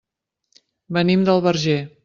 Venim del Verger.